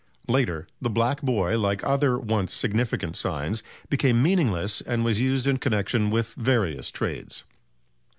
Later, the "Black Boy," like other once significant signs, became meaningless and was used in connexion with various trades.